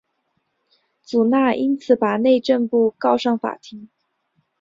祖纳因此把内政部告上法庭。